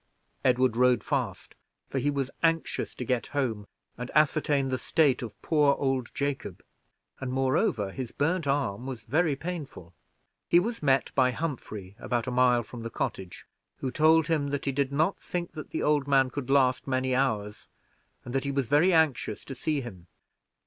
Edward rode fast, for he was anxious to get home and ascertain the state of poor old Jacob; and, moreover, his burned arm was very painful. He was met by Humphrey about a mile from the cottage, who told him that he did not think that the old man could last many hours, and that he was very anxious to see him.